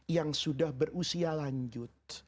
yang sudah berusia lanjut